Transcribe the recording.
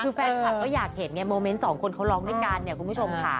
คือแฟนคลับก็อยากเห็นมอเมนต์๒คนเขาร้องด้วยกันคุณผู้ชมค่ะ